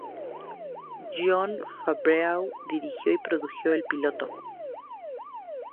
Jon Favreau dirigió y produjo el piloto.